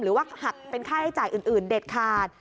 หรือว่าหักเป็นค่าให้จ่ายอื่นเด็ดขาด